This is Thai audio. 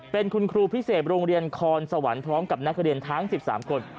เป็นคุณครูพิเศษโรงเรียนคอนสวรรค์พร้อมกับนักเรียนทั้ง๑๓คน